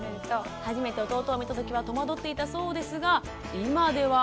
初めて弟を見たときは戸惑っていたそうですが今では。